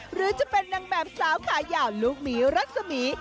หรือจะเป็นนางแบบสาวขายาวลูกหมีรัศมี